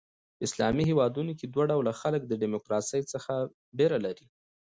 په اسلامي هیوادونو کښي دوه ډوله خلک د ډیموکراسۍ څخه بېره لري.